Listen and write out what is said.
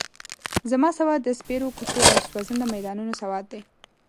زما سواد د سپېرو کوڅو او سوځنده میدانونو سواد دی.